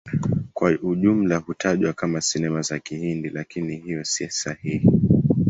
Kwa ujumla hutajwa kama Sinema za Kihindi, lakini hiyo si sahihi.